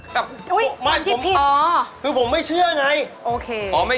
คือวันว่าแบบว่า